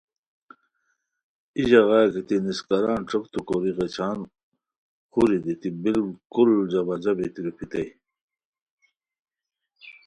ای ژاغا گیتی نیسکارن ݯوکتو کوری غیچھان خوری دیتی بالکل جابجہ بیتی روپھیتانی